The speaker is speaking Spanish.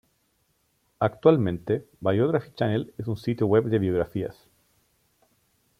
Actualmente, Biography Channel es un sitio web de biografías.